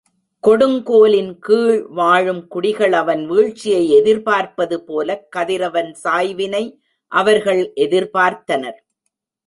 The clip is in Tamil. கொடுங்கோலின் கீழ்வாழும் குடிகள் அவன் வீழ்ச்சியை எதிர்பார்ப்பது போலக் கதிரவன் சாய்வினை அவர்கள் எதிர்பார்த்தனர்.